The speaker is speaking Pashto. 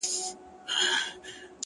زه هم خطا وتمه؛